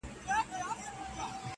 دې تورو سترګو ته دي وایه٫